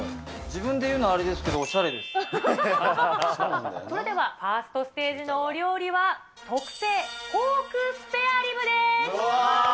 自分で言うのあれですけど、それでは、ファーストステージのお料理は、特製ポークスペアリブです。